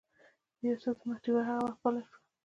د یوسف د مخ ډیوه هغه وخت بله شوه.